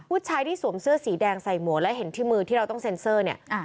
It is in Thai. ผู้ชายที่สวมเสื้อสีแดงใส่หมวกและเห็นที่มือที่เราต้องเซ็นเซอร์เนี่ย